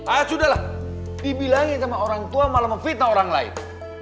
ah sudah lah dibilangin sama orang tua malah memfitnah orang lain